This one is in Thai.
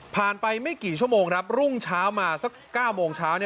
ผ่านไปไม่กี่ชั่วโมงครับรุ่งเช้ามาสัก๙โมงเช้า